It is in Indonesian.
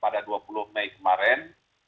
pada dua puluh mei kemarin